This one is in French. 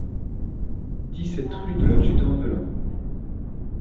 dix-sept rue de l'Adjudant Velin